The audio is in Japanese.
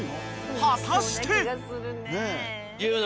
［果たして！］